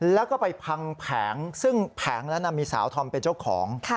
แล้วก็ไปพังแผงซึ่งแผงนั้นมีสาวธอมเป็นเจ้าของ